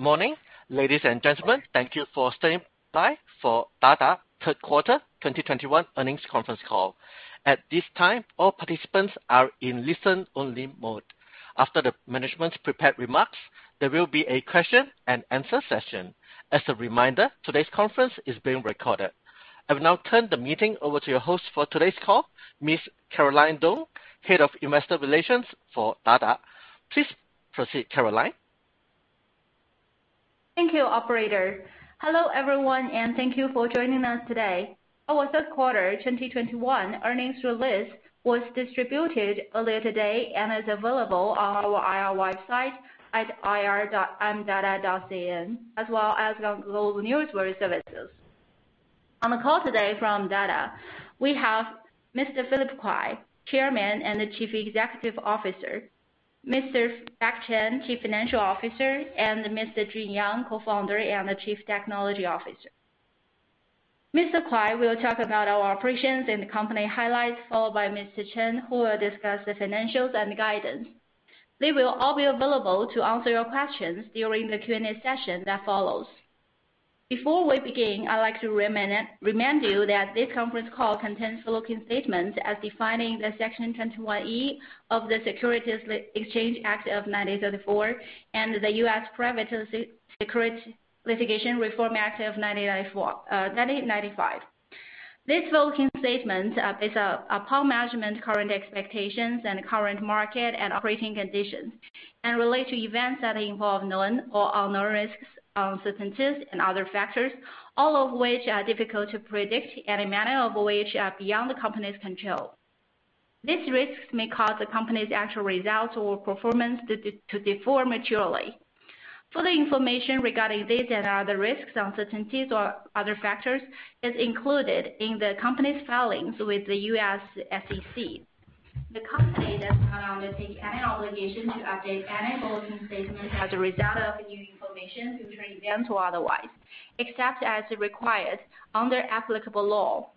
Morning, ladies and gentlemen. Thank you for standing by for Dada third quarter 2021 earnings conference call. At this time, all participants are in listen-only mode. After the management's prepared remarks, there will be a question-and-answer session. As a reminder, today's conference is being recorded. I will now turn the meeting over to your host for today's call, Ms. Caroline Dong, Head of Investor Relations for Dada. Please proceed, Caroline. Thank you, operator. Hello, everyone, and thank you for joining us today. Our third quarter 2021 earnings release was distributed earlier today and is available on our IR website at ir.dada.cn, as well as on GlobeNewswire services. On the call today from Dada, we have Mr. Philip Kuai, Chairman and Chief Executive Officer; Mr. Beck Chen, Chief Financial Officer; and Mr. Jun Yang, Co-Founder and Chief Technology Officer. Mr. Kuai will talk about our operations and company highlights, followed by Mr. Chen, who will discuss the financials and guidance. They will all be available to answer your questions during the Q&A session that follows. Before we begin, I'd like to remind you that this conference call contains forward-looking statements as defined in Section 21E of the Securities Exchange Act of 1934 and the U.S. Private Securities Litigation Reform Act of 1995. These forward-looking statements are based upon management's current expectations and current market and operating conditions and relate to events that involve known or unknown risks, uncertainties, and other factors, all of which are difficult to predict and many of which are beyond the company's control. These risks may cause the company's actual results or performance to differ materially. Further information regarding these and other risks, uncertainties or other factors is included in the company's filings with the U.S. SEC. The company does not undertake any obligation to update any forward-looking statements as a result of new information, future events or otherwise, except as required under applicable law.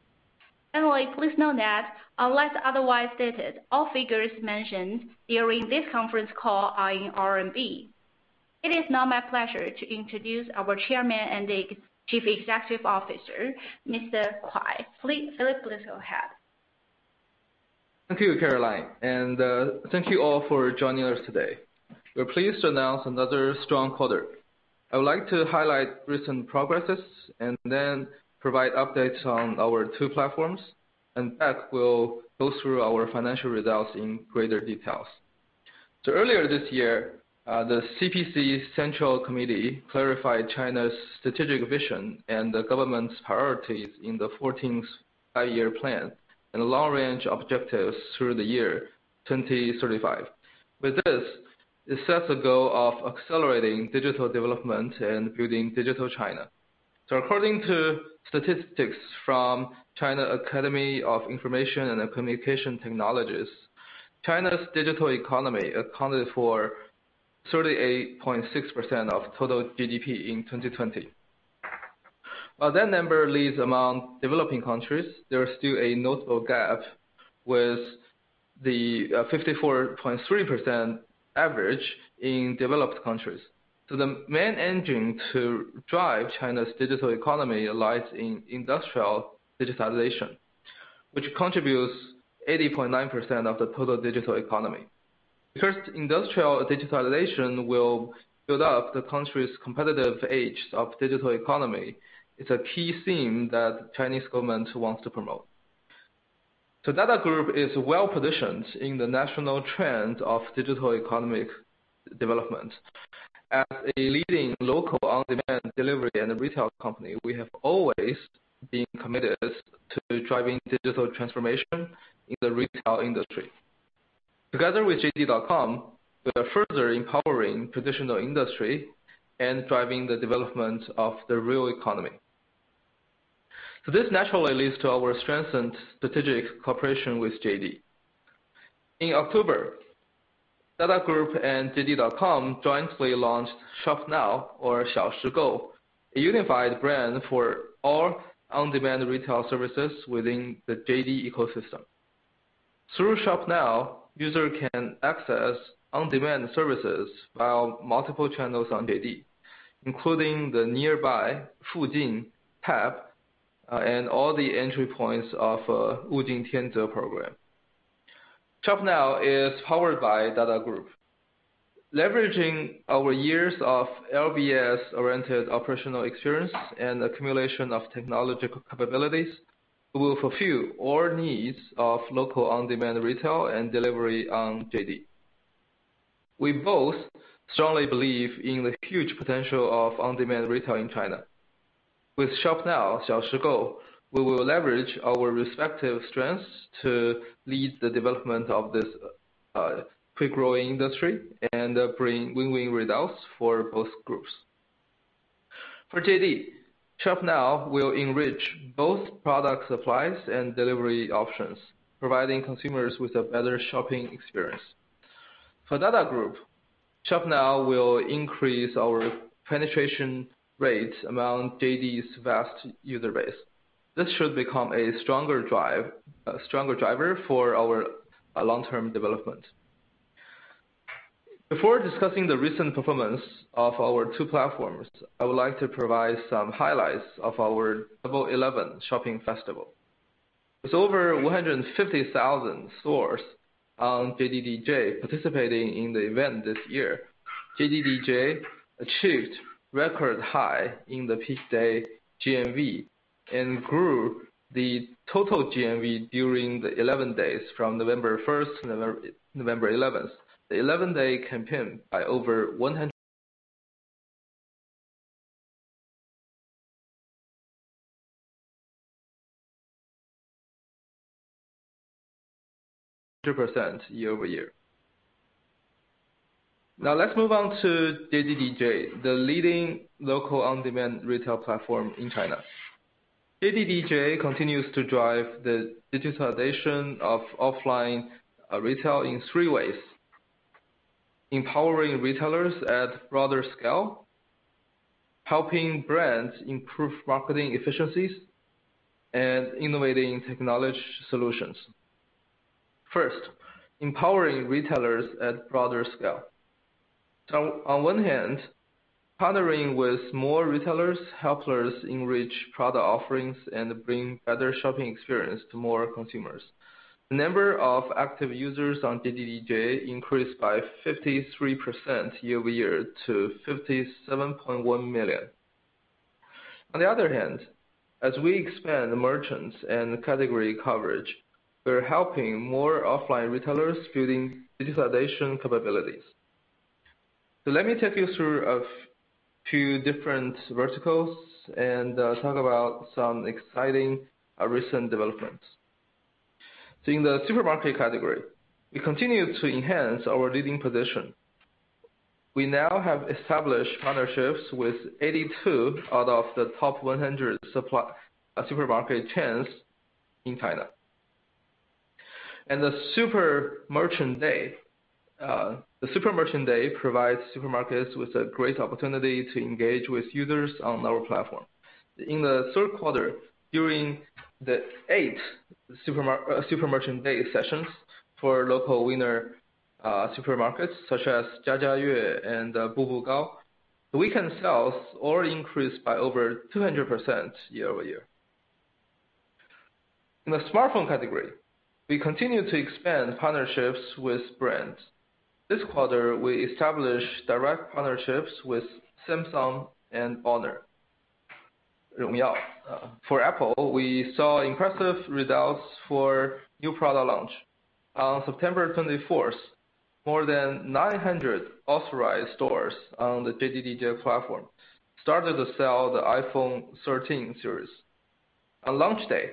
Finally, please note that unless otherwise stated, all figures mentioned during this conference call are in RMB. It is now my pleasure to introduce our Chairman and Chief Executive Officer, Mr. Philip Kuai. Philip, please go ahead. Thank you, Caroline, and thank you all for joining us today. We're pleased to announce another strong quarter. I would like to highlight recent progresses and then provide updates on our two platforms, and Beck will go through our financial results in greater details. Earlier this year, the CPC Central Committee clarified China's strategic vision and the government's priorities in the 14th five-Year Plan and long-range objectives through the year 2035. With this, it sets a goal of accelerating digital development and building digital China. According to statistics from China Academy of Information and Communications Technology, China's digital economy accounted for 38.6% of total GDP in 2020. While that number leads among developing countries, there is still a notable gap with the 54.3% average in developed countries. The main engine to drive China's digital economy lies in industrial digitalization, which contributes 80.9% of the total digital economy. First, industrial digitalization will build up the country's competitive edge of digital economy. It's a key theme that Chinese government wants to promote. Dada Group is well-positioned in the national trend of digital economic development. As a leading local on-demand delivery and retail company, we have always been committed to driving digital transformation in the retail industry. Together with JD.com, we are further empowering traditional industry and driving the development of the real economy. This naturally leads to our strengthened strategic cooperation with JD. In October, Dada Group and JD.com jointly launched Shop Now or Xiaoshigou, a unified brand for all on-demand retail services within the JD ecosystem. Through Shop Now, users can access on-demand services via multiple channels on JD, including the Nearby, Fujin tab, and all the entry points of Wujingtianze program. Shop Now is powered by Dada Group. Leveraging our years of LBS-oriented operational experience and accumulation of technological capabilities, we will fulfill all needs of local on-demand retail and delivery on JD. We both strongly believe in the huge potential of on-demand retail in China. With Shop Now, Xiaoshigou, we will leverage our respective strengths to lead the development of this quick growing industry and bring win-win results for both groups. For JD, Shop Now will enrich both product supplies and delivery options, providing consumers with a better shopping experience. For Dada Group, Shop Now will increase our penetration rate among JD's vast user base. This should become a stronger driver for our long-term development. Before discussing the recent performance of our two platforms, I would like to provide some highlights of our Double 11 shopping festival. With over 150,000 stores on JDDJ participating in the event this year, JDDJ achieved record high in the peak day GMV and grew the total GMV during the 11 days from November first to November eleventh by over 100% year-over-year. Now let's move on to JDDJ, the leading local on-demand retail platform in China. JDDJ continues to drive the digitalization of offline retail in three ways, empowering retailers at broader scale, helping brands improve marketing efficiencies, and innovating technology solutions. First, empowering retailers at broader scale. On one hand, partnering with more retailers help us enrich product offerings and bring better shopping experience to more consumers. The number of active users on JDDJ increased by 53% year-over-year to 57.1 million. On the other hand, as we expand the merchants and category coverage, we're helping more offline retailers building digitalization capabilities. Let me take you through two different verticals and talk about some exciting recent developments. In the supermarket category, we continue to enhance our leading position. We now have established partnerships with 82 out of the top 100 supermarket chains in China. The Super Merchant Day provides supermarkets with a great opportunity to engage with users on our platform. In the third quarter, during the eight Super Merchant Day sessions for local winner supermarkets such as Jiajiayue and Bubugao, weekend sales all increased by over 200% year-over-year. In the smartphone category, we continue to expand partnerships with brands. This quarter, we established direct partnerships with Samsung and HONOR. For Apple, we saw impressive results for new product launch. On September 24th, more than 900 authorized stores on the JDDJ platform started to sell the iPhone 13 series. On launch day,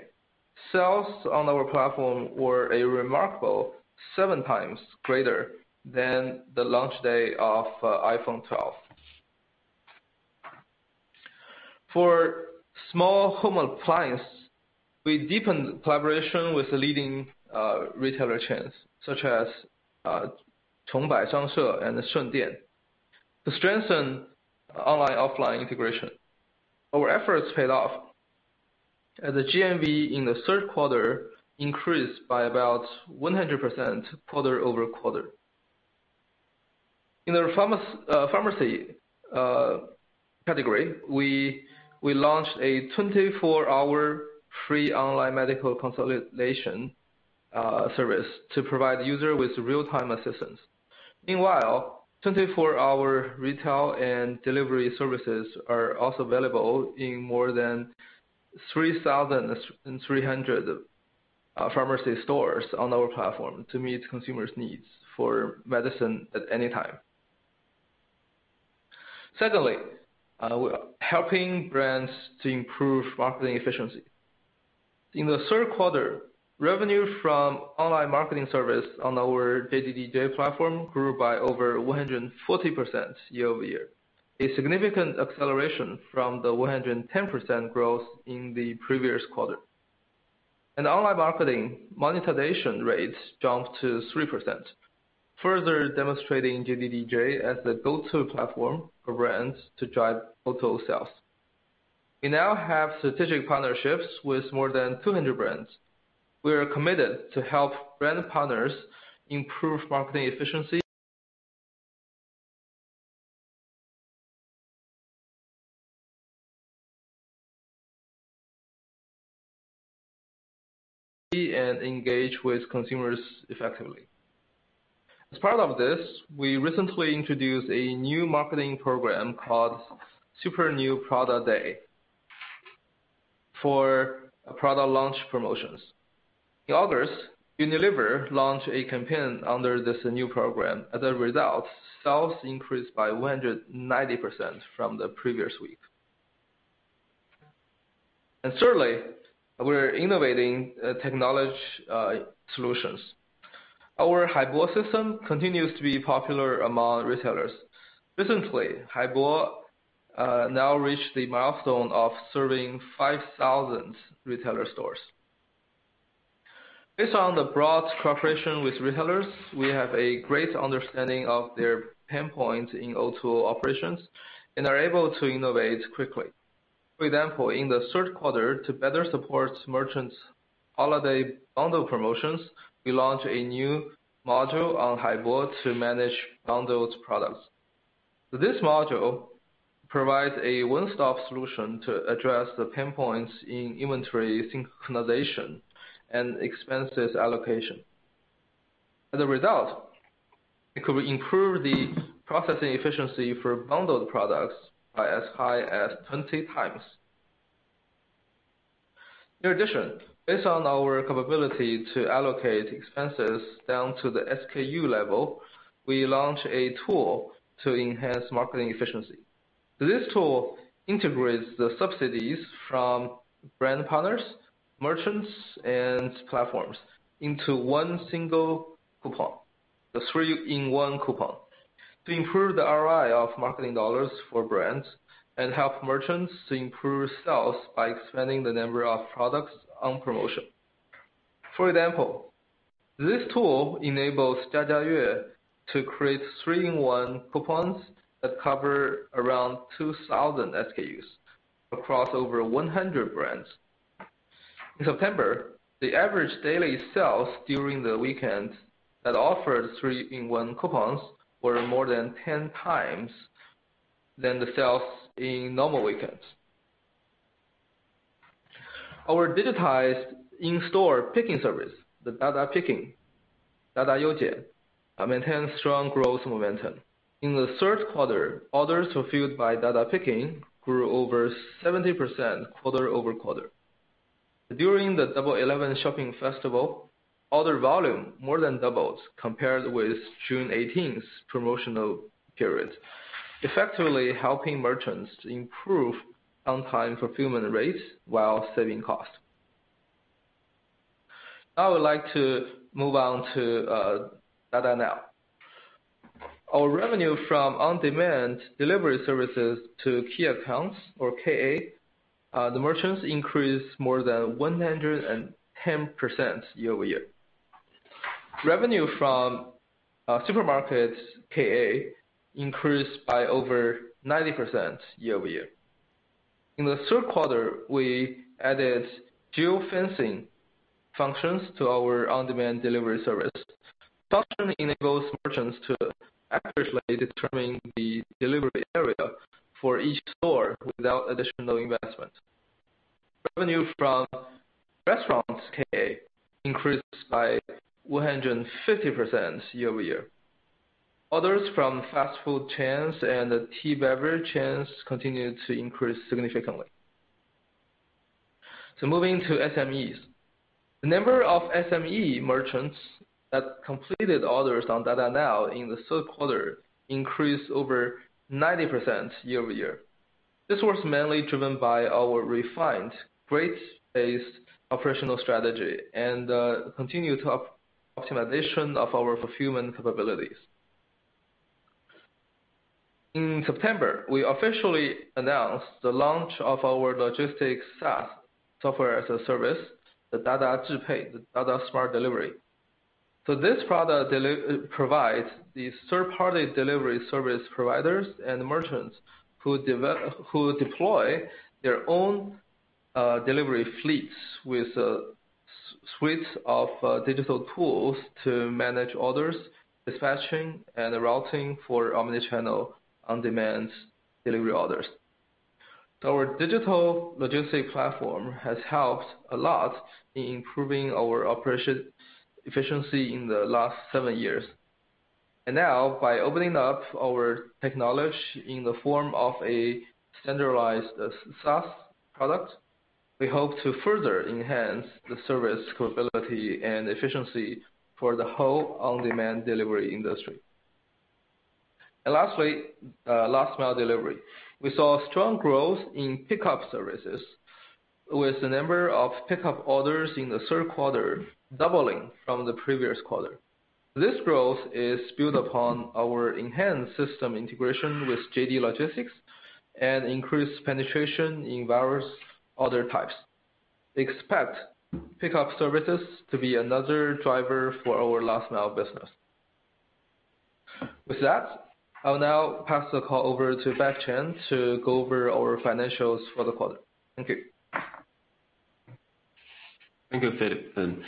sales on our platform were a remarkable 7x greater than the launch day of iPhone 12. For small home appliance, we deepened collaboration with the leading retailer chains such as Chongbai, Changshe, and Shuidian to strengthen online/offline integration. Our efforts paid off, as the GMV in the third quarter increased by about 100% quarter over quarter. In the pharmacy category, we launched a 24-hour free online medical consultation service to provide user with real-time assistance. Meanwhile, 24-hour retail and delivery services are also available in more than 3,300 pharmacy stores on our platform to meet consumers' needs for medicine at any time. Secondly, helping brands to improve marketing efficiency. In the third quarter, revenue from online marketing service on our JDDJ platform grew by over 140% year-over-year, a significant acceleration from the 110% growth in the previous quarter. Online marketing monetization rates jumped to 3%, further demonstrating JDDJ as the go-to platform for brands to drive total sales. We now have strategic partnerships with more than 200 brands. We are committed to help brand partners improve marketing efficiency and engage with consumers effectively. As part of this, we recently introduced a new marketing program called Super New Product Day for product launch promotions. In August, Unilever launched a campaign under this new program. As a result, sales increased by 190% from the previous week. Certainly, we're innovating technology solutions. Our Haibo system continues to be popular among retailers. Recently, Haibo now reached the milestone of serving 5,000 retailer stores. Based on the broad cooperation with retailers, we have a great understanding of their pain points in O2O operations, and are able to innovate quickly. For example, in the third quarter, to better support merchants' holiday bundle promotions, we launched a new module on Haibo to manage bundled products. This module provides a one-stop solution to address the pain points in inventory synchronization and expenses allocation. As a result, it could improve the processing efficiency for bundled products by as high as 20x. In addition, based on our capability to allocate expenses down to the SKU level, we launched a tool to enhance marketing efficiency. This tool integrates the subsidies from brand partners, merchants, and platforms into one single coupon, the three-in-one coupon, to improve the ROI of marketing dollars for brands and help merchants to improve sales by expanding the number of products on promotion. For example, this tool enables to create three-in-one coupons that cover around 2,000 SKUs across over 100 brands. In September, the average daily sales during the weekend that offered three-in-one coupons were more than 10 times than the sales in normal weekends. Our digitized in-store picking service, the Dada Picking, maintains strong growth momentum. In the third quarter, orders fulfilled by Dada Picking grew over 70% quarter-over-quarter. During the Double 11 shopping festival, order volume more than doubled compared with June 18th's promotional period, effectively helping merchants to improve on-time fulfillment rates while saving costs. Now I would like to move on to Dada Now. Our revenue from on-demand delivery services to key accounts or KA, the merchants increased more than 110% year-over-year. Revenue from supermarkets KA increased by over 90% year-over-year. In the third quarter, we added geofencing functions to our on-demand delivery service. This function enables merchants to accurately determine the delivery area for each store without additional investment. Revenue from restaurants KA increased by 150% year-over-year. Orders from fast food chains and tea beverage chains continued to increase significantly. Moving to SMEs. The number of SME merchants that completed orders on Dada Now in the third quarter increased over 90% year-over-year. This was mainly driven by our refined graded operational strategy and continued optimization of our fulfillment capabilities. In September, we officially announced the launch of our logistics SaaS, software as a service, the Dada Smart Delivery. This product provides the third-party delivery service providers and merchants who deploy their own delivery fleets with a suite of digital tools to manage orders, dispatching, and routing for omni-channel on-demand delivery orders. Our digital logistics platform has helped a lot in improving our operational efficiency in the last seven years. Now, by opening up our technology in the form of a standardized SaaS product, we hope to further enhance the service capability and efficiency for the whole on-demand delivery industry. Lastly, last mile delivery. We saw strong growth in pickup services with the number of pickup orders in the third quarter doubling from the previous quarter. This growth is built upon our enhanced system integration with JD Logistics and increased penetration in various order types. We expect pickup services to be another driver for our last mile business. With that, I'll now pass the call over to Beck Chen to go over our financials for the quarter. Thank you. Thank you, Philip.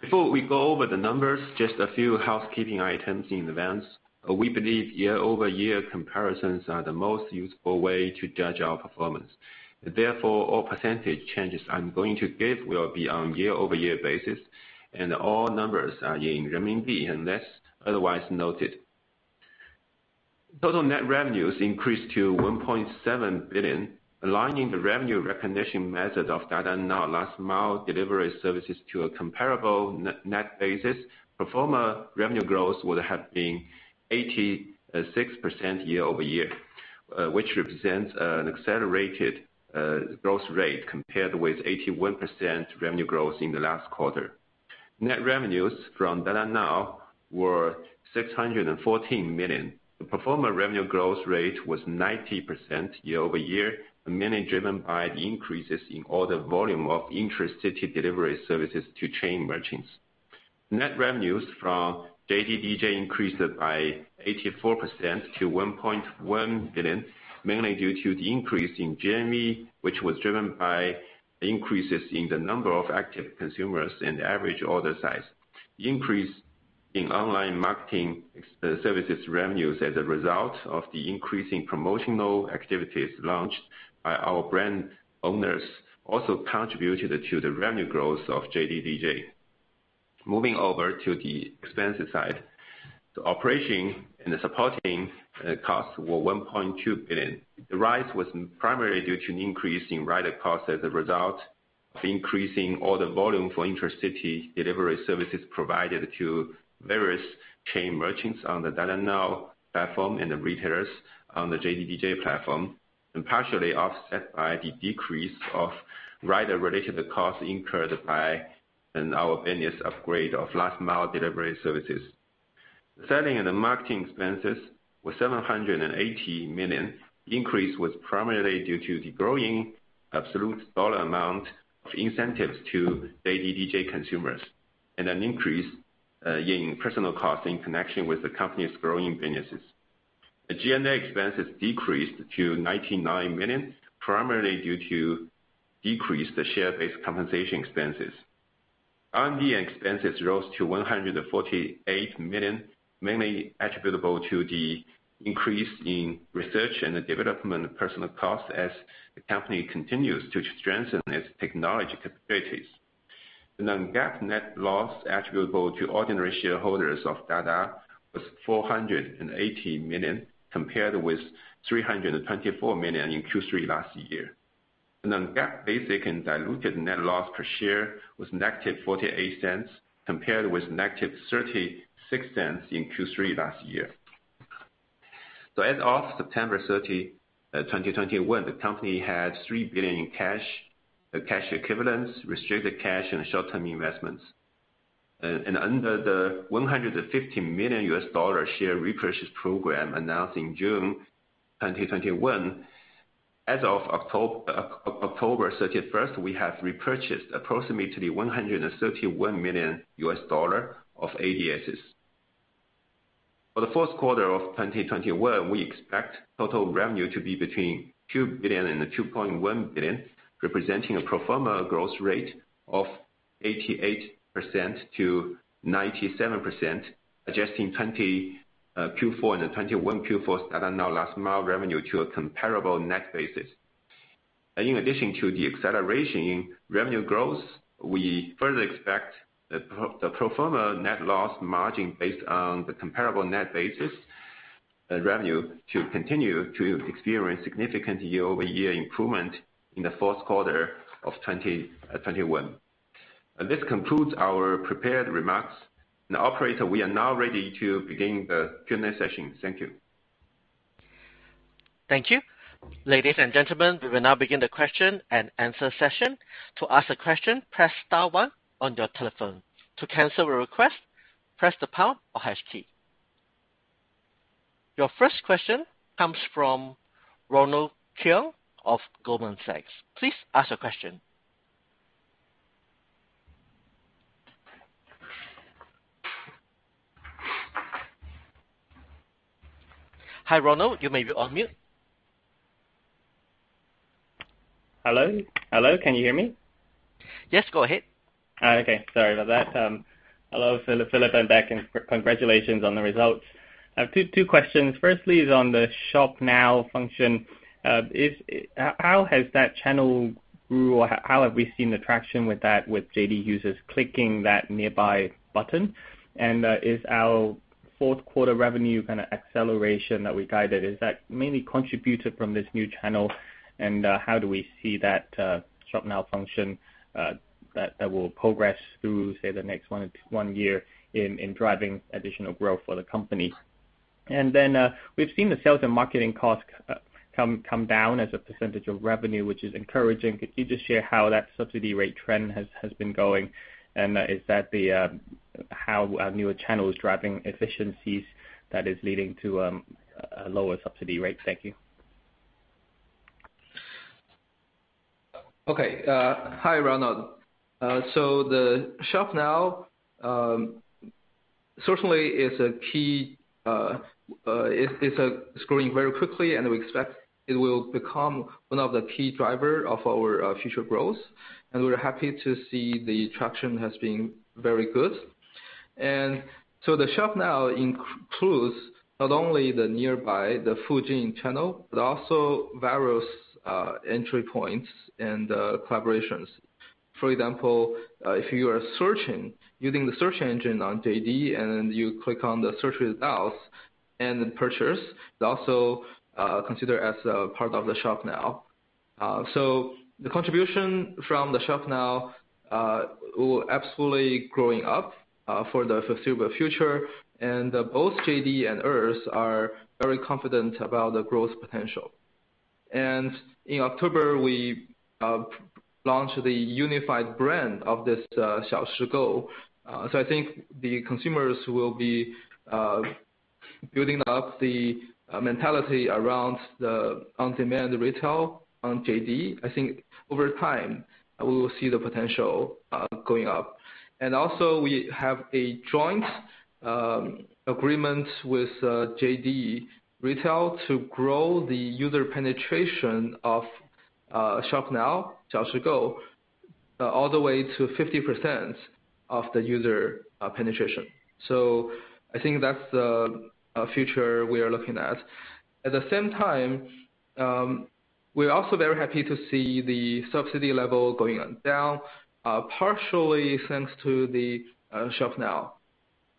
Before we go over the numbers, just a few housekeeping items in advance. We believe year-over-year comparisons are the most useful way to judge our performance. Therefore, all percentage changes I'm going to give will be on year-over-year basis, and all numbers are in RMB unless otherwise noted. Total net revenues increased to 1.7 billion, aligning the revenue recognition method of Dada Now last mile delivery services to a comparable net-net basis. Pro forma revenue growth would have been 86% year-over-year, which represents an accelerated growth rate compared with 81% revenue growth in the last quarter. Net revenues from Dada Now were 614 million. The pro forma revenue growth rate was 90% year-over-year, mainly driven by the increases in order volume of intracity delivery services to chain merchants. Net revenues from JDDJ increased by 84% to 1.1 billion, mainly due to the increase in GMV, which was driven by increases in the number of active consumers and the average order size. The increase in online marketing services revenues as a result of the increasing promotional activities launched by our brand owners also contributed to the revenue growth of JDDJ. Moving over to the expense side. The operating and the supporting costs were 1.2 billion. The rise was primarily due to an increase in rider costs as a result of increasing order volume for intra-city delivery services provided to various chain merchants on the Dada Now platform and the retailers on the JDDJ platform, and partially offset by the decrease of rider-related costs incurred by our business upgrade of last mile delivery services. The selling and marketing expenses was 780 million. Increase was primarily due to the growing absolute dollar amount of incentives to JDDJ consumers, and an increase in personnel costs in connection with the company's growing businesses. The G&A expenses decreased to 99 million, primarily due to decreased share-based compensation expenses. R&D expenses rose to 148 million, mainly attributable to the increase in research and development personnel costs as the company continues to strengthen its technology capabilities. The non-GAAP net loss attributable to ordinary shareholders of Dada was 480 million, compared with 324 million in Q3 last year. The non-GAAP basic and diluted net loss per share was -$0.48, compared with -$0.36 in Q3 last year. As of September 30, 2021, the company had 3 billion in cash equivalents, restricted cash and short-term investments. Under the $150 million share repurchase program announced in June 2021, as of October 31, we have repurchased approximately $131 million of ADSs. For the fourth quarter of 2021, we expect total revenue to be between 2 billion and 2.1 billion, representing a pro forma growth rate of 88%-97%, adjusting 2020 Q4 and the 2021 Q4 Dada Now last mile revenue to a comparable net basis. In addition to the acceleration in revenue growth, we further expect the pro forma net loss margin based on the comparable net basis revenue to continue to experience significant year-over-year improvement in the fourth quarter of 2021. This concludes our prepared remarks. Now, operator, we are now ready to begin the Q&A session. Thank you. Thank you. Ladies and gentlemen, we will now begin the question-and-answer session. To ask a question, press star one on your telephone. To cancel a request, press the pound or hash key. Your first question comes from Ronald Keung of Goldman Sachs. Please ask your question. Hi, Ronald. You may be on mute. Hello? Hello, can you hear me? Yes, go ahead. Okay. Sorry about that. Hello, Philip and Beck. Congratulations on the results. I have two questions. First is on the Shop Now function. How has that channel grew, or how have we seen the traction with that with JD users clicking that nearby button? Is our fourth quarter revenue kind of acceleration that we guided mainly contributed from this new channel, and how do we see that Shop Now function that will progress through, say, the next one or two years in driving additional growth for the company? Then we've seen the sales and marketing costs come down as a percentage of revenue, which is encouraging. Could you just share how that subsidy rate trend has been going? Is that how a newer channel is driving efficiencies that is leading to lower subsidy rates? Thank you. Okay. Hi, Ronald. The Shop Now certainly is a key growing very quickly, and we expect it will become one of the key driver of our future growth. We're happy to see the traction has been very good. The Shop Now includes not only the Nearby, the Fujin channel, but also various entry points and collaborations. For example, if you are searching using the search engine on JD and you click on the search results and purchase, it also consider as a part of the Shop Now. The contribution from the Shop Now will absolutely growing up for the foreseeable future. Both JD and us are very confident about the growth potential. In October, we launched the unified brand of this Xiaoshigou. I think the consumers will be building up the mentality around the on-demand retail on JD. I think over time, we will see the potential going up. Also we have a joint agreement with JD Retail to grow the user penetration of Shop Now, Xiaoshigou, all the way to 50% of the user penetration. I think that's the future we are looking at. At the same time, we're also very happy to see the subsidy level going on down partially thanks to the Shop Now,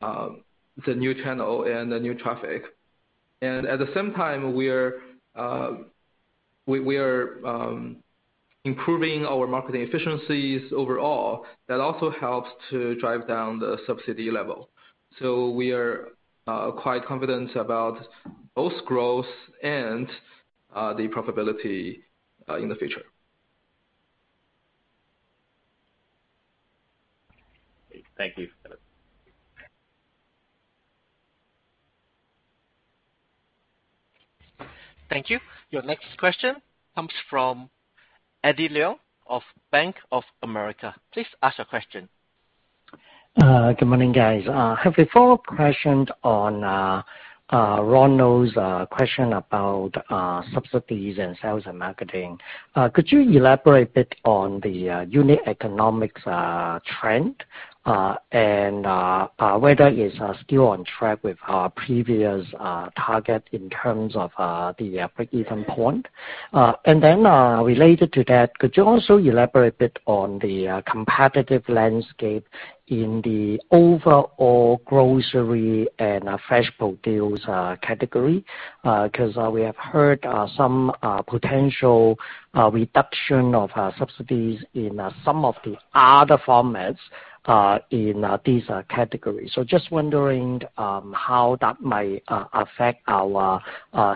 the new channel and the new traffic. At the same time we're improving our marketing efficiencies overall. That also helps to drive down the subsidy level. We are quite confident about both growth and the profitability in the future. Thank you, Philip. Thank you. Your next question comes from Eddie Leung of Bank of America Securities. Please ask your question. Good morning, guys. I have a follow-up question on Ronald's question about subsidies and sales and marketing. Could you elaborate a bit on the unit economics trend and whether it's still on track with our previous target in terms of the break-even point? Related to that, could you also elaborate a bit on the competitive landscape in the overall grocery and fresh produce category? 'Cause we have heard some potential reduction of subsidies in some of the other formats in these categories. Just wondering how that might affect our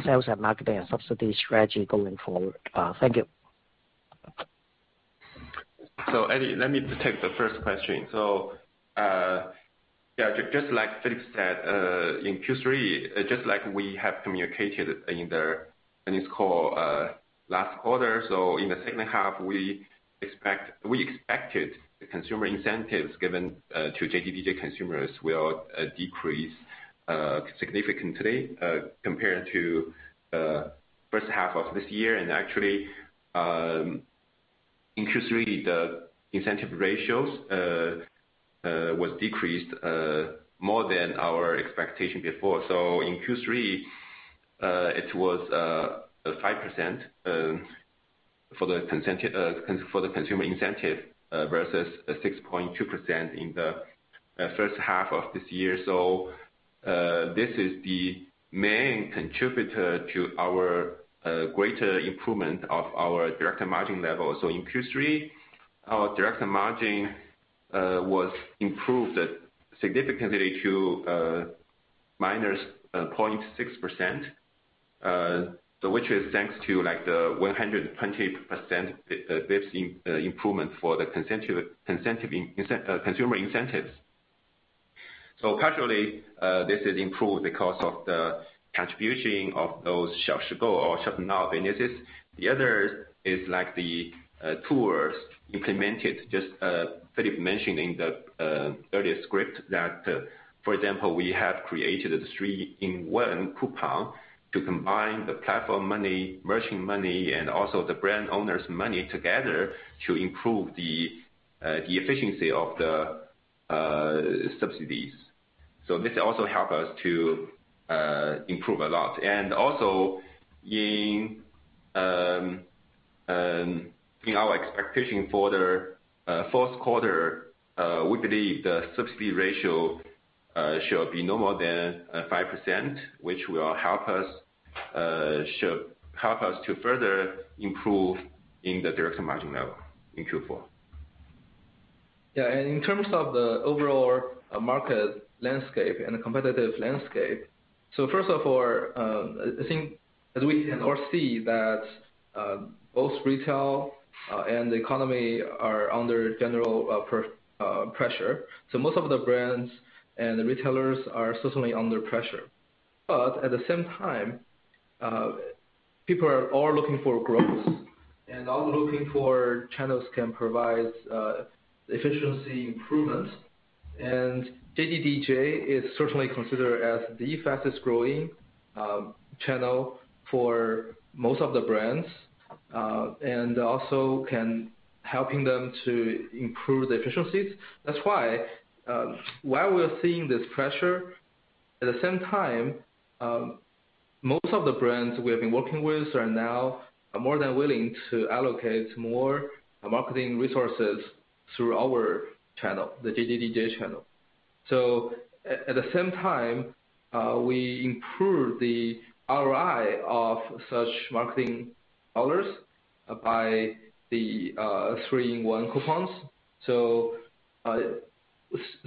sales and marketing and subsidy strategy going forward. Thank you. Eddie, let me take the first question. Just like Philip said, in Q3, just like we have communicated in the earnings call last quarter. In the second half, we expect, we expected the consumer incentives given to JDDJ consumers will decrease significantly compared to first half of this year. Actually, in Q3, the incentive ratios was decreased more than our expectation before. In Q3, it was 5% for the consumer incentive versus 6.2% in the first half of this year. This is the main contributor to our greater improvement of our direct margin level. In Q3, our direct margin was improved significantly to -0.6%, which is thanks to like the 120% improvement for the consumer incentives. Partially, this has improved the cost and the contribution of those Xiaoshigou or Shop Now initiatives. The other is like the tools implemented, just as Philip mentioned the earlier script that, for example, we have created a three-in-one coupon to combine the platform money, merchant money, and also the brand owner's money together to improve the efficiency of the subsidies. This also help us to improve a lot. In our expectation for the fourth quarter, we believe the subsidy ratio should be no more than 5%, which should help us to further improve the direct margin level in Q4. Yeah. In terms of the overall market landscape and competitive landscape. First of all, I think as we can all see that, both retail and the economy are under general pressure. Most of the brands and retailers are certainly under pressure. At the same time, people are all looking for growth and all looking for channels can provide efficiency improvement. JDDJ is certainly considered as the fastest growing channel for most of the brands and also can helping them to improve the efficiencies. That's why, while we're seeing this pressure, at the same time, most of the brands we have been working with are now more than willing to allocate more marketing resources through our channel, the JDDJ channel. At the same time, we improve the ROI of such marketing dollars. By the three-in-one coupons.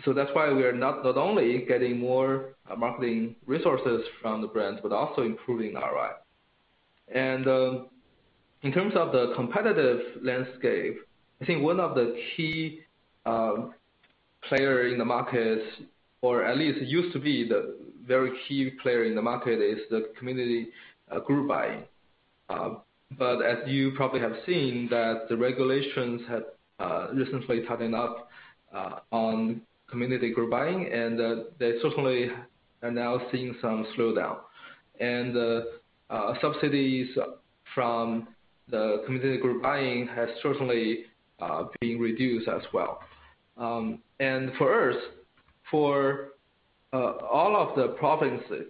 That's why we are not only getting more marketing resources from the brands, but also improving ROI. In terms of the competitive landscape, I think one of the key player in the market, or at least used to be the very key player in the market, is the community group buying. As you probably have seen that the regulations have recently toughened up on community group buying, and that they certainly are now seeing some slowdown. Subsidies from the community group buying has certainly been reduced as well. For us, all of the provinces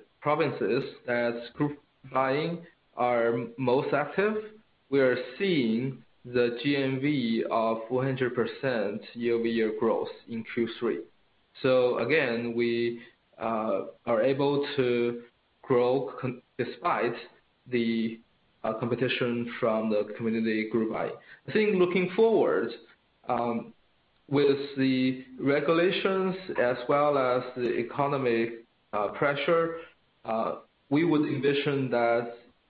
that group buying are most active, we are seeing the GMV of 400% year-over-year growth in Q3. Again, we are able to grow despite the competition from the community group buying. I think looking forward, with the regulations as well as the economic pressure, we would envision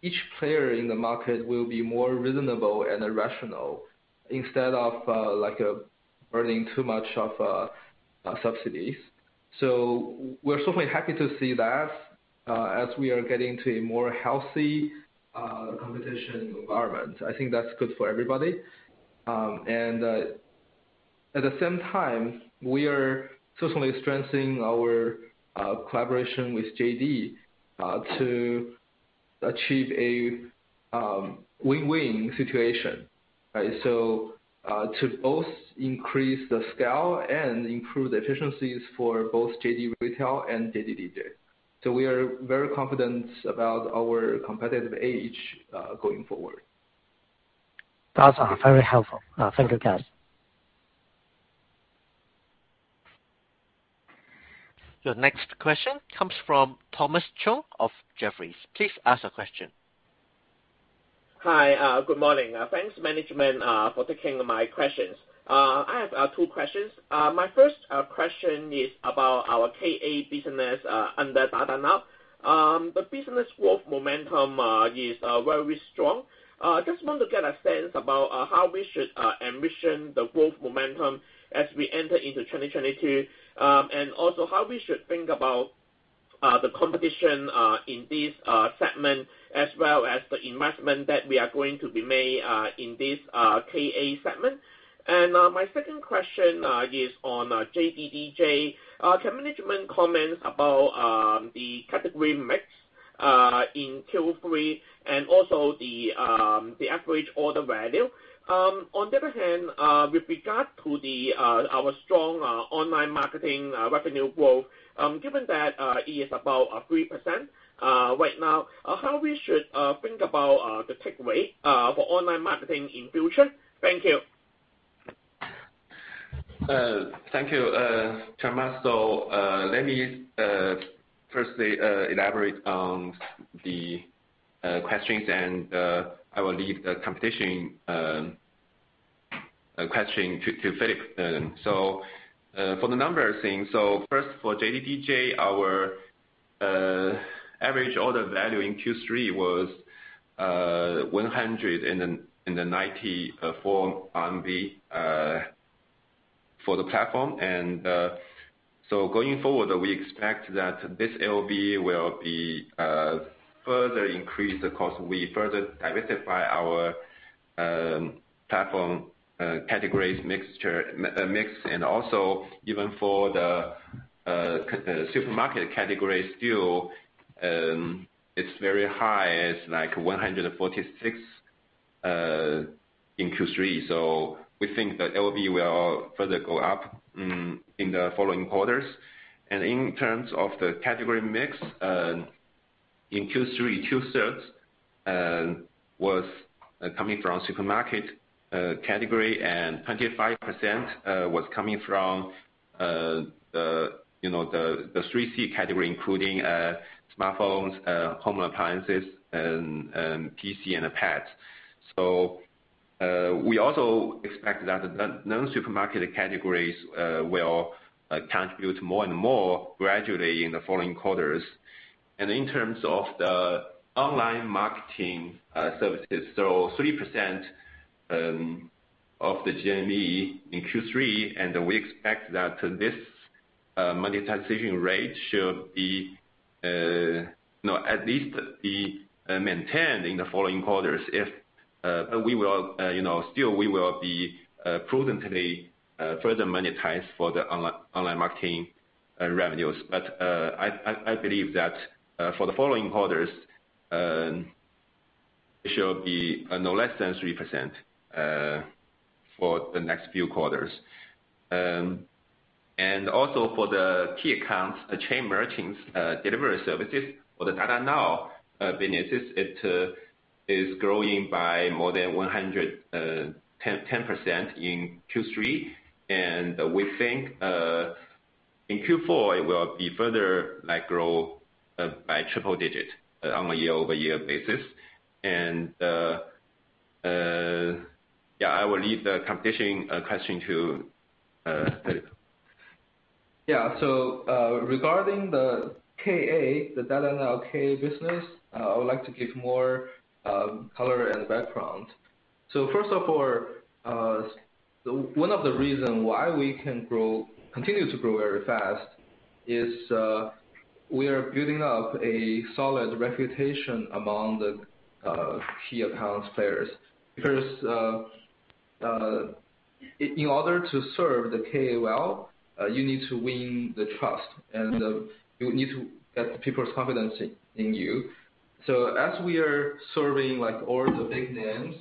that each player in the market will be more reasonable and rational instead of like burning too much of subsidies. We're certainly happy to see that, as we are getting to a more healthy competition environment. I think that's good for everybody. At the same time, we are certainly strengthening our collaboration with JD to achieve a win-win situation, right? To both increase the scale and improve the efficiencies for both JD Retail and JDDJ. We are very confident about our competitive edge going forward. That's very helpful. Thank you, Ken. Your next question comes from Thomas Chong of Jefferies. Please ask your question. Hi. Good morning. Thanks management for taking my questions. I have two questions. My first question is about our KA business under Dada Now. The business growth momentum is very strong. Just want to get a sense about how we should envision the growth momentum as we enter into 2022, and also how we should think about the competition in this segment as well as the investment that we are going to be made in this KA segment. My second question is on JDDJ. Can management comment about the category mix in Q3 and also the average order value? On the other hand, with regard to our strong online marketing revenue growth, given that it is about 3% right now, how should we think about the takeaway for online marketing in future? Thank you. Thank you, Thomas. Let me firstly elaborate on the questions and I will leave the competition question to Philip. For the numbers thing, first for JDDJ, our average order value in Q3 was RMB 194 for the platform. Going forward, we expect that this AOV will be further increased because we further diversify our platform categories mix, and also even for the supermarket category still it's very high. It's like 146 in Q3. We think the AOV will further go up in the following quarters. In terms of the category mix, in Q3, two-thirds was coming from supermarket category, and 25% was coming from you know the 3C category, including smartphones, home appliances and PC and pets. We also expect that the non-supermarket categories will contribute more and more gradually in the following quarters. In terms of the online marketing services, 3% of the GMV in Q3, and we expect that this monetization rate should be you know at least maintained in the following quarters, but we will you know still be prudently further monetize for the online marketing revenues. I believe that for the following quarters, it should be no less than 3% for the next few quarters. Also for the key accounts, the chain merchants, delivery services for the Dada Now business, it is growing by more than 110% in Q3. We think in Q4 it will further like grow by triple-digit on a year-over-year basis. Yeah, I will leave the competition question to Philip. Yeah. Regarding the KA, the Dada Now KA business, I would like to give more color and background. First of all, one of the reason why we can continue to grow very fast is we are building up a solid reputation among the key accounts players. Because in order to serve the KA well, you need to win the trust, and you need to get people's confidence in you. As we are serving, like, all the big names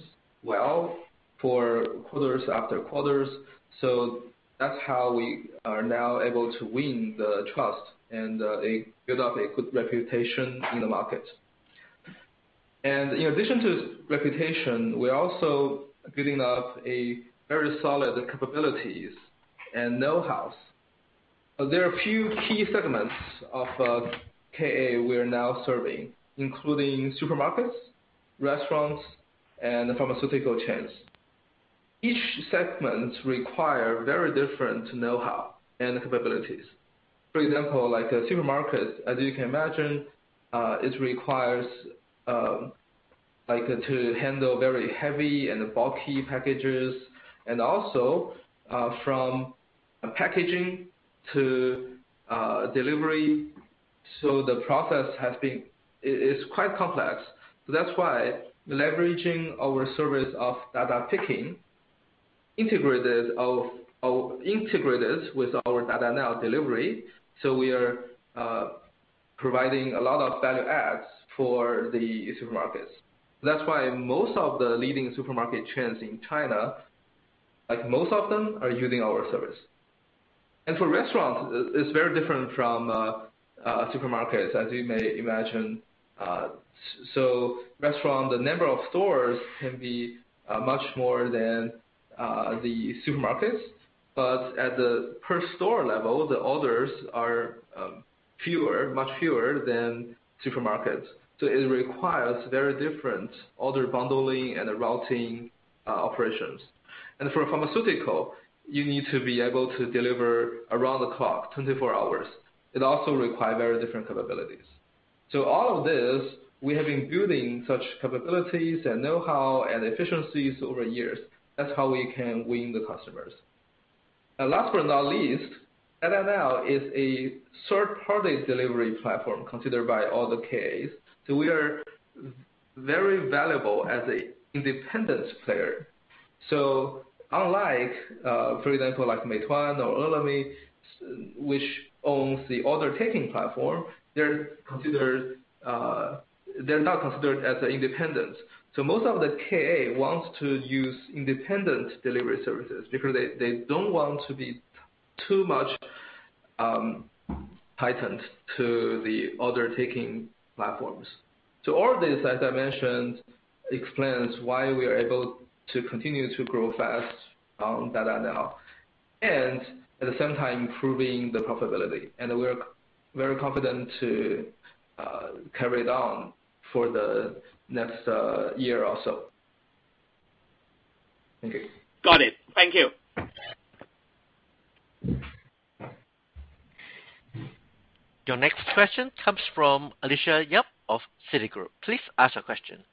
well for quarters after quarters, that's how we are now able to win the trust and build up a good reputation in the market. In addition to reputation, we're also building up a very solid capabilities and know-hows. There are few key segments of KA we are now serving, including supermarkets, restaurants, and pharmaceutical chains. Each segment require very different know-how and capabilities. For example, like a supermarket, as you can imagine, it requires, like, to handle very heavy and bulky packages, and also, from packaging to delivery. It's quite complex. That's why leveraging our service of Dada Picking integrated with our Dada Now delivery, we are providing a lot of value adds for the supermarkets. That's why most of the leading supermarket chains in China, like most of them, are using our service. For restaurants, it's very different from supermarkets, as you may imagine. So restaurant, the number of stores can be much more than the supermarkets. At the per store level, the orders are fewer, much fewer than supermarkets. It requires very different order bundling and routing operations. For pharmaceutical, you need to be able to deliver around the clock, 24 hours. It also requires very different capabilities. All of this, we have been building such capabilities and know-how and efficiencies over years. That's how we can win the customers. Last but not least, Dada Now is a third-party delivery platform considered by all the KAs, so we are very valuable as an independent player. Unlike, for example, like Meituan or Ele.me, which owns the order-taking platform, they're not considered as independent. Most of the KAs want to use independent delivery services because they don't want to be too much tied to the order-taking platforms. All this, as I mentioned, explains why we are able to continue to grow fast on Dada Now, and at the same time improving the profitability. We are very confident to carry it on for the next year or so. Thank you. Got it. Thank you. Your next question comes from Alicia Yap of Citigroup. Please ask your question.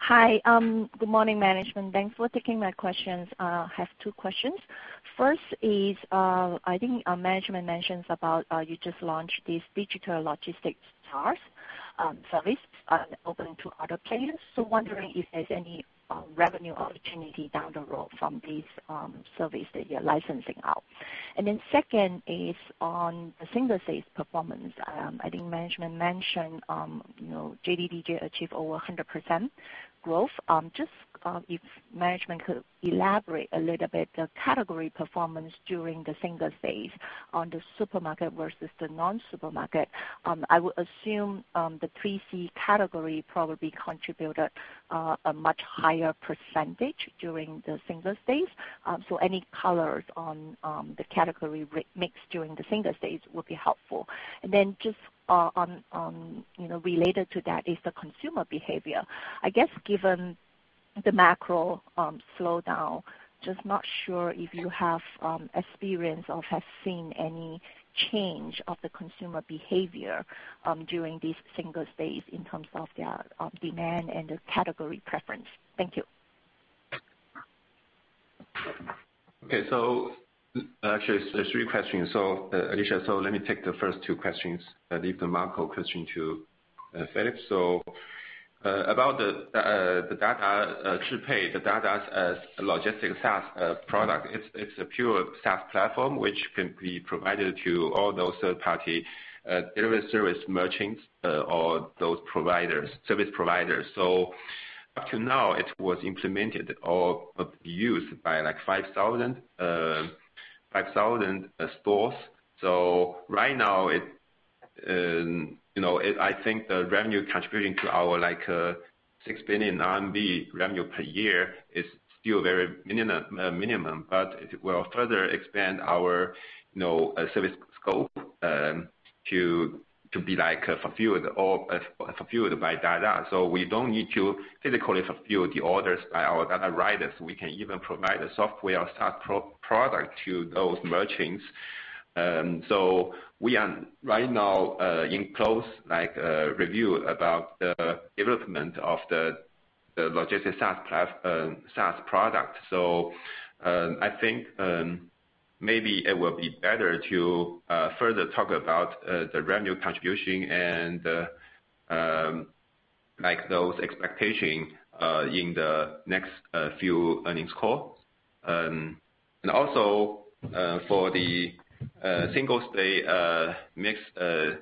Hi. Good morning, management. Thanks for taking my questions. I have two questions. First is, I think, management mentions about, you just launched this digital logistics SaaS service, open to other players. Wondering if there's any revenue opportunity down the road from these service that you're licensing out. Second is on the Singles' Day performance. I think management mentioned, you know, JDDJ achieved over 100% growth. Just, if management could elaborate a little bit the category performance during the Singles' Day on the supermarket versus the non-supermarket. I would assume, the fresh category probably contributed a much higher percentage during the Singles' Day. Any colors on the category mix during the Singles' Day would be helpful. Just on, you know, related to that is the consumer behavior. I guess given the macro slowdown, just not sure if you have experience or have seen any change of the consumer behavior during this Singles' Day in terms of the demand and the category preference. Thank you. Okay. Actually there's three questions. Alicia, let me take the first two questions and leave the macro question to Philip. About the Dada Smart Delivery, Dada's logistics SaaS product, it's a pure SaaS platform which can be provided to all those third-party delivery service merchants or those service providers. Up to now it was implemented or used by like 5,000 stores. Right now, you know, it I think the revenue contributing to our like 6 billion RMB revenue per year is still very minimum, but it will further expand our, you know, service scope to be like fulfilled by Dada. We don't need to physically fulfill the orders by our Dada riders. We can even provide a software or SaaS product to those merchants. We are right now in close, like, review about the development of the logistic SaaS product. I think maybe it will be better to further talk about the revenue contribution and the, like, those expectations in the next few earnings call. For the Singles' Day mix, the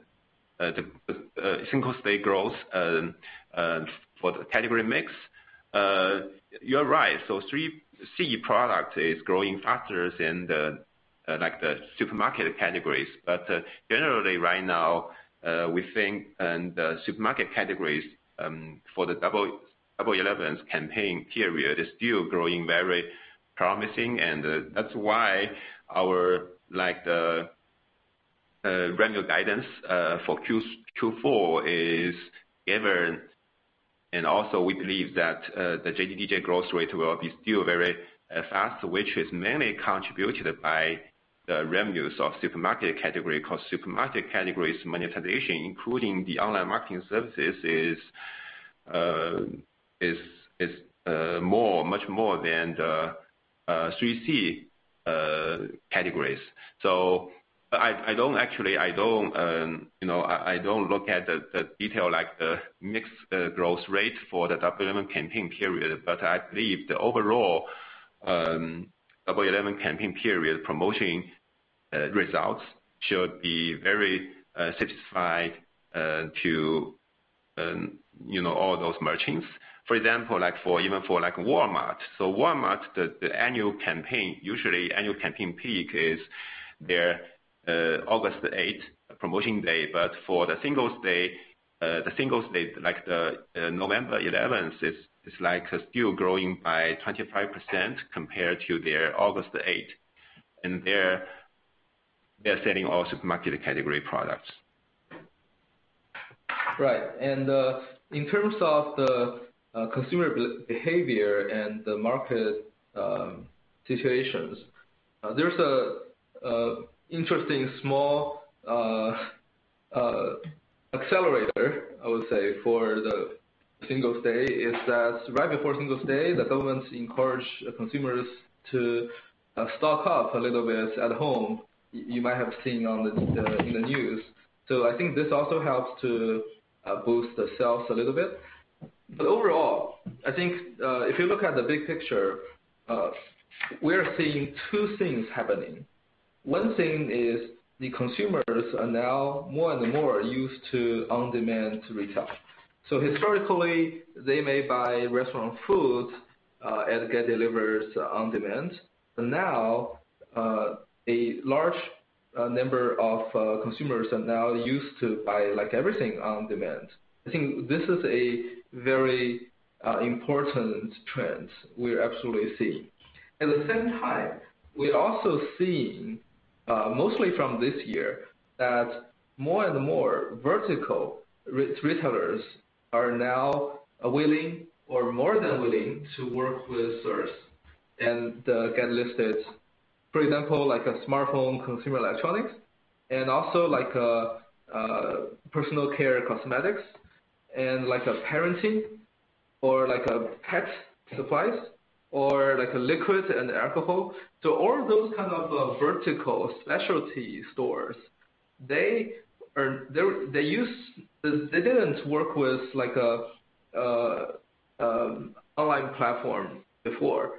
Singles' Day growth for the category mix, you're right. 3C product is growing faster than the, like, the supermarket categories. Generally right now, we think the supermarket categories for the Double Eleven campaign period is still growing very promising. That's why our, like, revenue guidance for Q4 is given. We believe that the JDDJ growth rate will be still very fast, which is mainly contributed by the revenues of supermarket category, 'cause supermarket categories monetization, including the online marketing services, is much more than the 3C categories. I don't actually, you know, I don't look at the detail like the mixed growth rate for the Double 11 campaign period, but I believe the overall Double 11 campaign period promoting results should be very satisfied to you know all those merchants. For example, even for Walmart. Walmart, the annual campaign, usually annual campaign peak is their August 8 promotion day. For the Singles' Day, like the November 11, is like still growing by 25% compared to their August 8. They're selling all supermarket category products. Right. In terms of the consumer behavior and the market situations, there's an interesting small accelerator, I would say, for the Singles' Day, which is right before Singles' Day, the government encouraged consumers to stock up a little bit at home. You might have seen in the news. I think this also helps to boost the sales a little bit. Overall, I think if you look at the big picture, we're seeing two things happening. One thing is the consumers are now more and more used to on-demand retail. Historically, they may buy restaurant foods and get delivered on demand. Now, a large number of consumers are now used to buy like everything on demand. I think this is a very important trend we're absolutely seeing. At the same time, we're also seeing, mostly from this year, that more and more vertical retailers are now willing or more than willing to work with ours and get listed. For example, like a smartphone, consumer electronics, and also like personal care cosmetics, and like a parenting, or like a pet supplies, or like a liquor and alcohol. All those kind of vertical specialty stores, they didn't work with like an online platform before.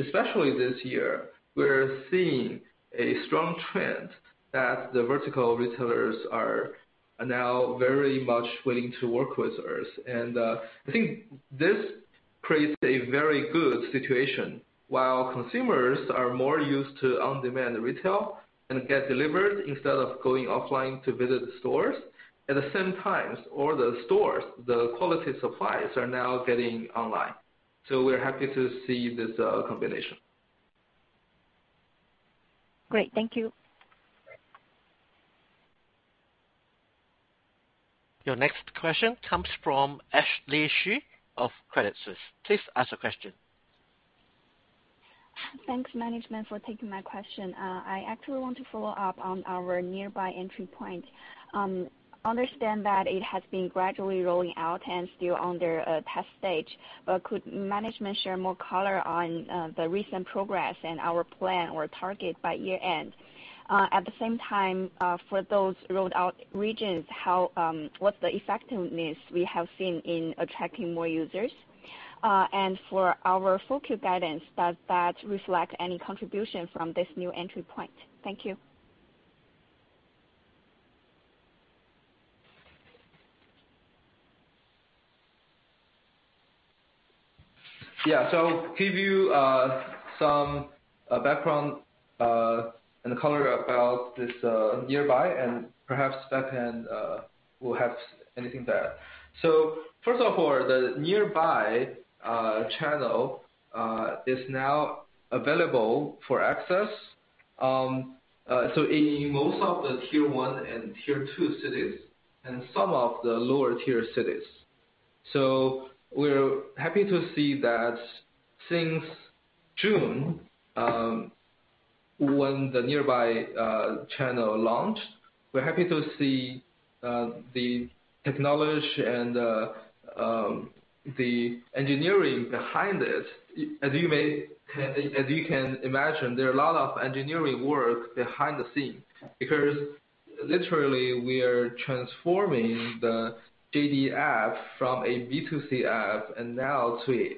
Especially this year, we're seeing a strong trend that the vertical retailers are now very much willing to work with ours. I think this creates a very good situation while consumers are more used to on-demand retail and get delivered instead of going offline to visit the stores. At the same time, all the stores, the quality suppliers are now getting online. We're happy to see this, combination. Great. Thank you. Your next question comes from Ashley Xu of Credit Suisse. Please ask your question. Thanks, management, for taking my question. I actually want to follow up on our nearby entry point. I understand that it has been gradually rolling out and still under a test stage. Could management share more color on the recent progress and our plan or target by year-end? At the same time, for those rolled out regions, how, what's the effectiveness we have seen in attracting more users? For our Q4 guidance, does that reflect any contribution from this new entry point? Thank you. To give you some background and color about this Nearby and perhaps that will have anything there. The Nearby channel is now available for access in most of the tier one and tier two cities and some of the lower tier cities. We're happy to see that since June, when the Nearby channel launched, the technology and the engineering behind it. As you can imagine, there are a lot of engineering work behind the scenes, because literally we are transforming the JD app from a B2C app and now to a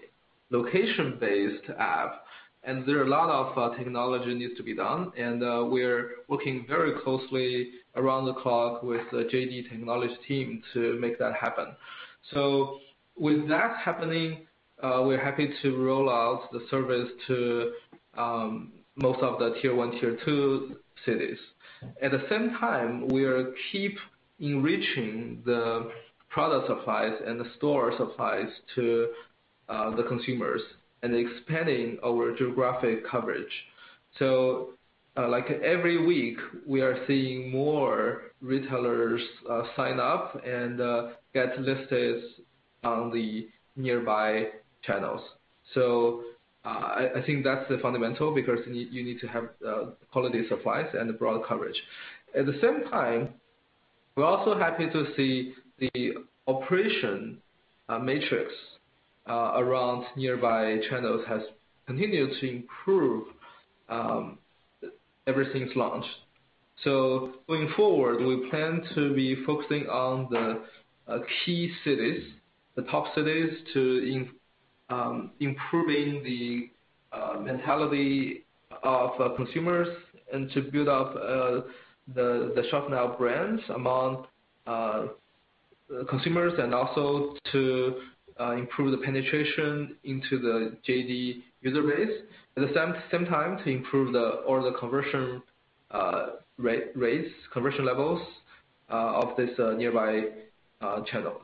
location-based app. There are a lot of technology needs to be done, and we are working very closely around the clock with the JD technology team to make that happen. With that happening, we're happy to roll out the service to most of the tier one, tier two cities. At the same time, we'll keep enriching the product supplies and the store supplies to the consumers and expanding our geographic coverage. Like every week, we are seeing more retailers sign up and get listed on the Nearby channels. I think that's the fundamental because you need to have quality supplies and broad coverage. At the same time, we're also happy to see the operation matrix around Nearby channels has continued to improve ever since launch. Going forward, we plan to be focusing on the key cities, the top cities to improving the mentality of consumers and to build up the Shop Now brands among consumers, and also to improve the penetration into the JD user base. At the same time to improve the conversion rates, conversion levels of this Nearby channel.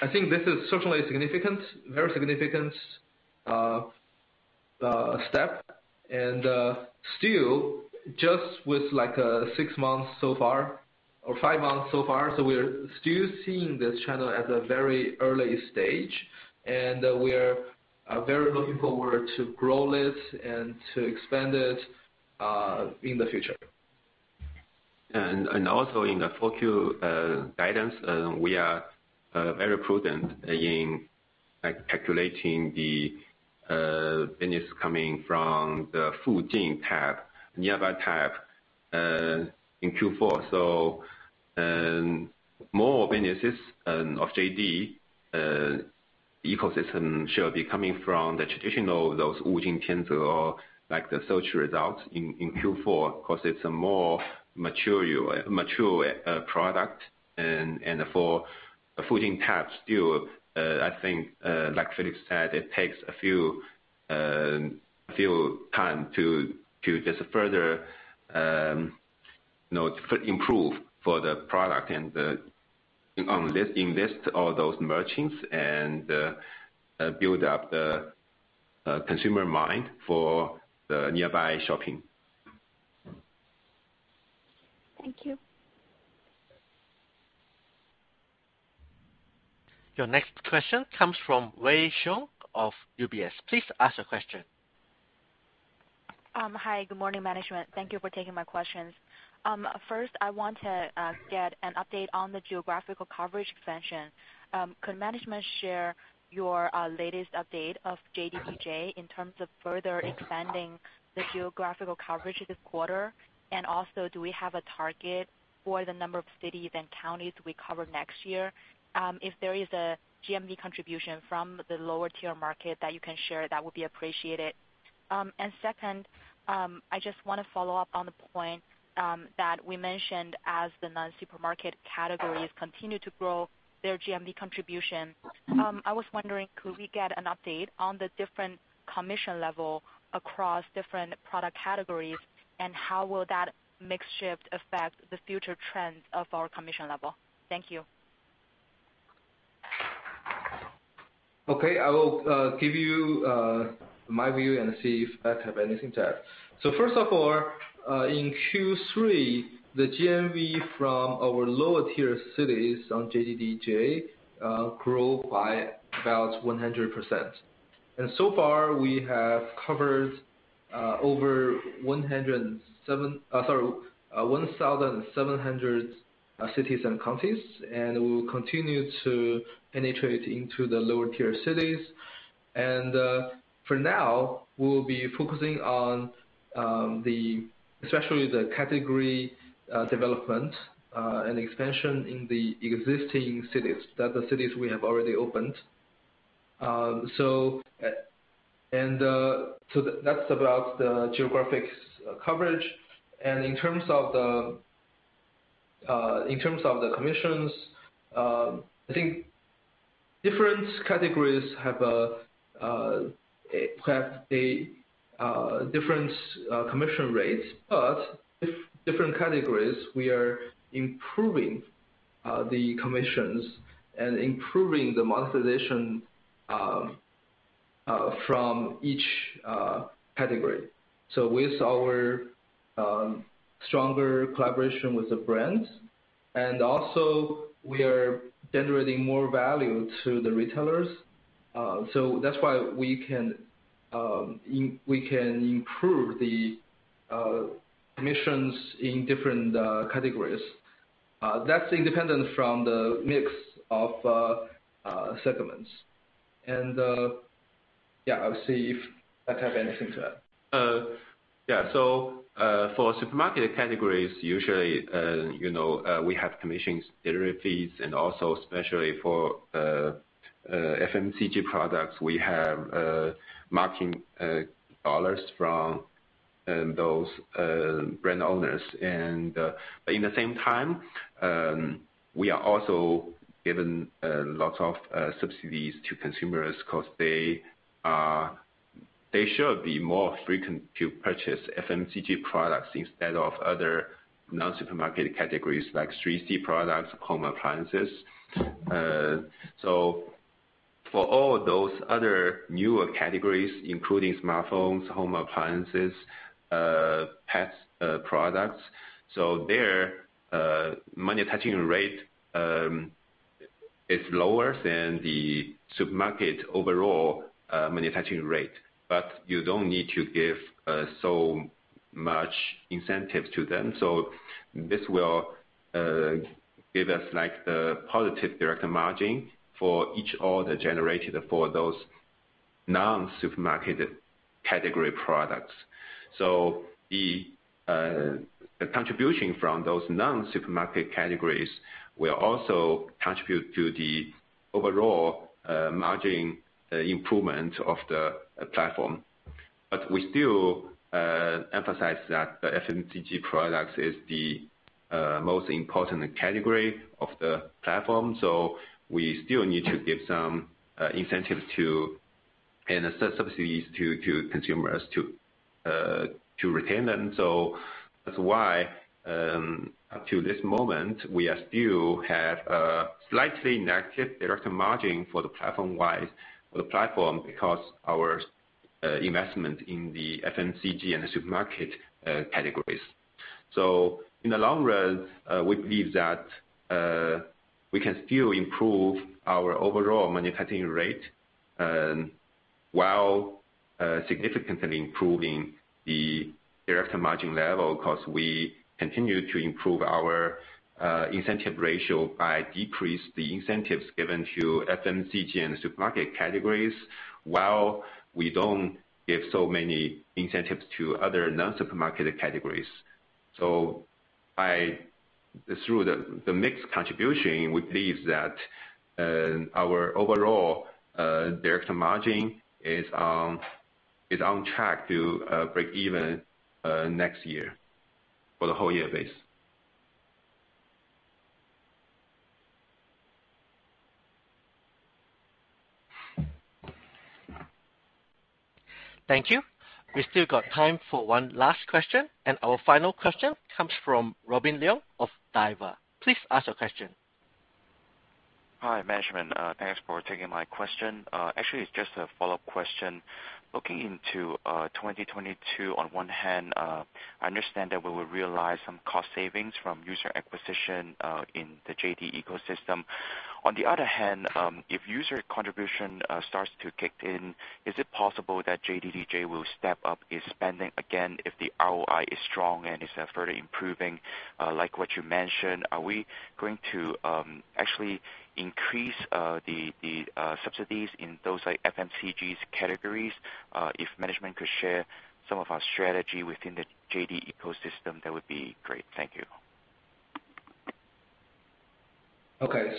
I think this is certainly a significant, very significant step. Still just with like six months so far or five months so far, so we're still seeing this channel at a very early stage, and we're very looking forward to grow this and to expand it in the future. Also in the Q4 guidance, we are very prudent in, like, calculating the business coming from the Fujin tab, Nearby tab, in Q4. More businesses of JD ecosystem should be coming from the traditional, those like the search results in Q4 because it's a more mature product and for the Fujin tab still, I think, like Philip said, it takes a few times to just further, you know, improve the product and invest all those merchants and build up the consumer mind for the Nearby shopping. Thank you. Your next question comes from Wei Xiong of UBS. Please ask your question. Hi, good morning management. Thank you for taking my questions. First, I want to get an update on the geographical coverage expansion. Could management share your latest update of JDDJ in terms of further expanding the geographical coverage this quarter? Also, do we have a target for the number of cities and counties we cover next year? If there is a GMV contribution from the lower tier market that you can share, that would be appreciated. Second, I just wanna follow up on the point that we mentioned as the non-supermarket categories continue to grow their GMV contribution. I was wondering, could we get an update on the different commission level across different product categories, and how will that mix shift affect the future trends of our commission level? Thank you. Okay. I will give you my view and see if Pat have anything to add. First of all, in Q3, the GMV from our lower tier cities on JDDJ grew by about 100%. So far we have covered over 1,700 cities and counties, and we will continue to penetrate into the lower tier cities. For now, we'll be focusing on especially the category development and expansion in the existing cities, that the cities we have already opened. That's about the geographic coverage. In terms of the commissions, I think different categories have different commission rates, but different categories, we are improving the commissions and improving the monetization from each category. With our stronger collaboration with the brands, and also we are generating more value to the retailers. That's why we can improve the commissions in different categories. That's independent from the mix of segments. Yeah, I'll see if Matt have anything to add. For supermarket categories, usually, you know, we have commissions, delivery fees, and also especially for FMCG products, we have marketing dollars from those brand owners and. At the same time, we are also given lots of subsidies to consumers because they should be more frequent to purchase FMCG products instead of other non-supermarket categories like 3C products, home appliances. For all those other newer categories, including smartphones, home appliances, pet products, their monetization rate is lower than the supermarket overall monetization rate. You don't need to give so much incentives to them. This will give us like the positive direct margin for each order generated for those non-supermarket category products. The contribution from those non-supermarket categories will also contribute to the overall margin improvement of the platform. We still emphasize that the FMCG products is the most important category of the platform, so we still need to give some incentives to, and subsidies to consumers to retain them. That's why, up to this moment, we are still have a slightly negative direct margin for the platform wise, for the platform because our investment in the FMCG and the supermarket categories. In the long run, we believe that we can still improve our overall monetization rate, while significantly improving the direct margin level 'cause we continue to improve our incentive ratio by decreasing the incentives given to FMCG and supermarket categories, while we don't give so many incentives to other non-supermarket categories. By the mix contribution, we believe that our overall direct margin is on track to break even next year for the whole year basis. Thank you. We've still got time for one last question, and our final question comes from Robin Leung of Daiwa. Please ask your question. Hi, management. Thanks for taking my question. Actually, it's just a follow-up question. Looking into 2022, on one hand, I understand that we will realize some cost savings from user acquisition in the JD ecosystem. On the other hand, if user contribution starts to kick in, is it possible that JDDJ will step up its spending again if the ROI is strong and is further improving, like what you mentioned? Are we going to actually increase the subsidies in those like FMCG categories? If management could share some of our strategy within the JD ecosystem, that would be great. Thank you. Okay.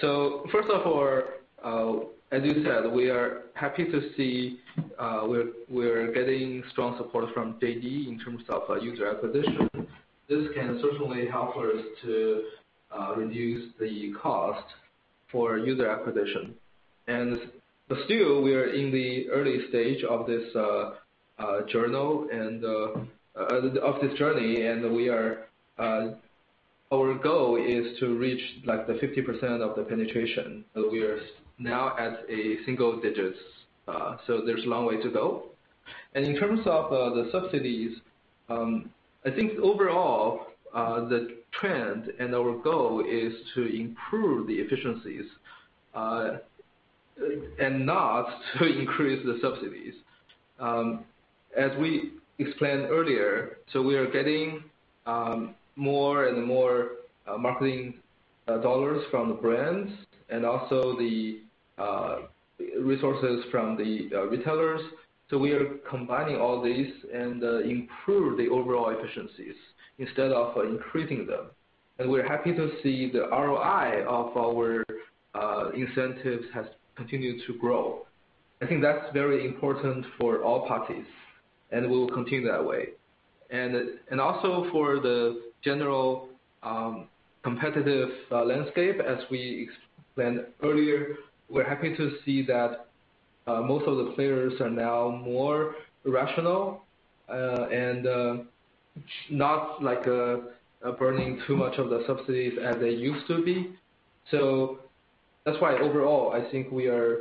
First of all, as you said, we are happy to see, we're getting strong support from JD in terms of user acquisition. This can certainly help us to reduce the cost for user acquisition. Still, we are in the early stage of this journey, and we are. Our goal is to reach like the 50% penetration. We are now at single digits, so there's a long way to go. In terms of the subsidies, I think overall, the trend and our goal is to improve the efficiencies and not to increase the subsidies. As we explained earlier, we are getting more and more marketing dollars from the brands and also the resources from the retailers. We are combining all these and improve the overall efficiencies instead of increasing them. We're happy to see the ROI of our incentives has continued to grow. I think that's very important for all parties, and we will continue that way. Also for the general competitive landscape, as we explained earlier, we're happy to see that most of the players are now more rational and not like burning too much of the subsidies as they used to be. That's why overall, I think we are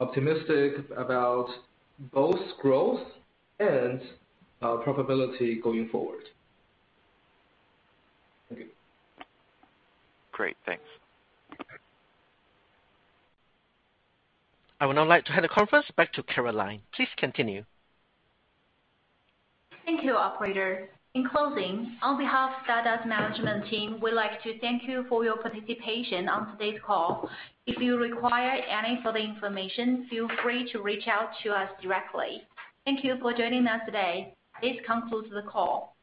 optimistic about both growth and profitability going forward. Thank you. Great. Thanks. I would now like to hand the conference back to Caroline. Please continue. Thank you, operator. In closing, on behalf of Dada's management team, we'd like to thank you for your participation on today's call. If you require any further information, feel free to reach out to us directly. Thank you for joining us today. This concludes the call.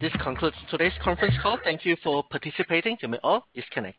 This concludes today's conference call. Thank you for participating. You may all disconnect.